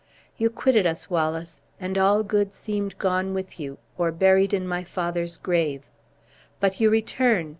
You quitted us, Wallace, and all good seemed gone with you, or buried in my father's grave. But you return!